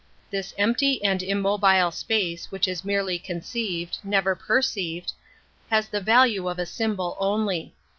This empty and immobile space which is merely conceived, never perceived, has the value of a symbol only.